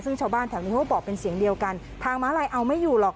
ซึ่งชาวบ้านแถวนี้เขาก็บอกเป็นเสียงเดียวกันทางม้าลายเอาไม่อยู่หรอก